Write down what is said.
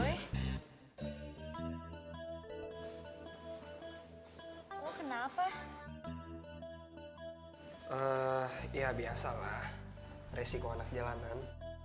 ya biasalah resiko anak jalanan